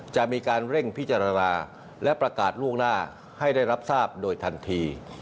จะมีการเร่งพิจารณาและประกาศล่วงหน้าให้ได้รับทราบโดยทันที